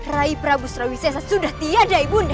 raih prabu sarawisesa sudah tiada ibu anda